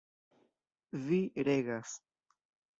Vi regas!